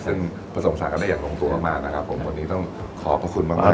ซึ่งผสมสารกันได้อย่างลงตัวมากมากนะครับผมวันนี้ต้องขอขอบคุณมากมาก